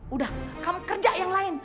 udah kamu kerja yang lain